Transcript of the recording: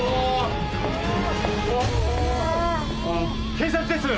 警察です！